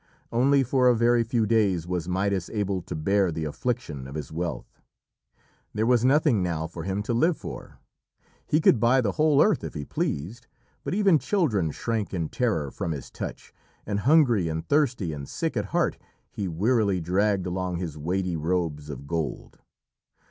Only for a very few days was Midas able to bear the affliction of his wealth. There was nothing now for him to live for. He could buy the whole earth if he pleased, but even children shrank in terror from his touch, and hungry and thirsty and sick at heart he wearily dragged along his weighty robes of gold.